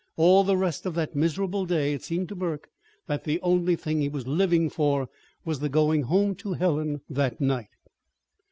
All the rest of that miserable day it seemed to Burke that the only thing he was living for was the going home to Helen that night.